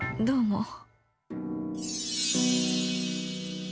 どうも。